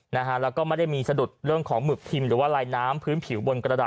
นะฮะแล้วก็ไม่ได้มีสะดุดเรื่องของหมึกพิมพ์หรือว่าลายน้ำพื้นผิวบนกระดาษ